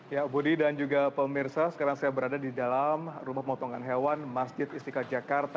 ya budi dan juga pemirsa sekarang saya berada di dalam rumah pemotongan hewan masjid istiqlal jakarta